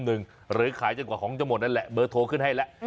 หรือขายจนกว่าของจะหมดนั่นแหละเบอร์โทรขึ้นให้แล้ว